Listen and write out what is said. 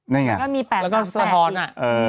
แล้วก็สะท้อนอ่ะ